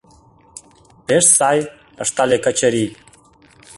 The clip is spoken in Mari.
— Пеш сай, — ыштале Качырий.